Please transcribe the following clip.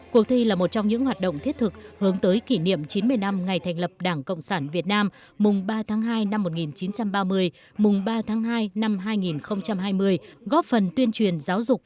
cuộc thi là một trong những hoạt động thiết thực hướng tới kỷ niệm chín mươi năm ngày thành lập đảng cộng sản việt nam mùng ba tháng hai năm một nghìn chín trăm ba mươi mùng ba tháng hai năm hai nghìn hai mươi góp phần tuyên truyền giáo dục